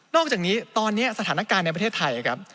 อกจากนี้ตอนนี้สถานการณ์ในประเทศไทยครับ